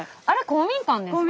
公民館ですか？